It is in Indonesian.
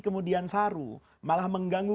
kemudian saru malah mengganggu